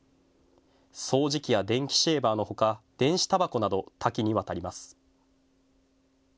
掃除機や電気シェーバーのほか電子たばこなど多岐にわたります。